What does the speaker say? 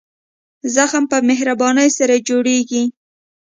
زخم په مهربانۍ سره ژر جوړېږي.